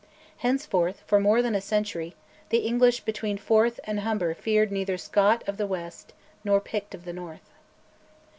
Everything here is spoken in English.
Henceforth, for more than a century, the English between Forth and Humber feared neither Scot of the west nor Pict of the north.